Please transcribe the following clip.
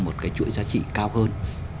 một chuỗi giá trị cao hơn